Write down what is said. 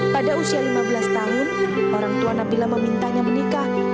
pada usia lima belas tahun orang tua nabila memintanya menikah